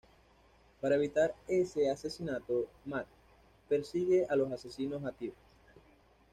Para evitar ese asesinato, Mat persigue a los asesinos a Tear.